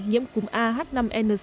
nhiễm cúm ah năm n sáu